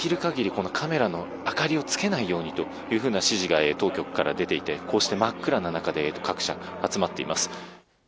このカメラの明かりをつけないようにというふうな指示が当局から出ていて、こうして真っ暗な中で各社集まっています。